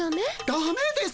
ダメです。